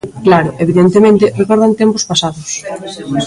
Claro, evidentemente, recordan tempos pasados.